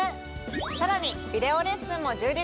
さらにビデオレッスンも充実。